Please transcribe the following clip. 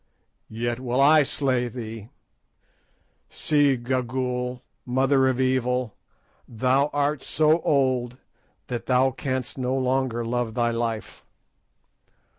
"Yet will I slay thee. See, Gagool, mother of evil, thou art so old that thou canst no longer love thy life.